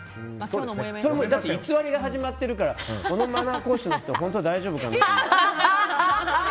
偽りが始まってるからこのマナー講師の人は本当、大丈夫かなと思って。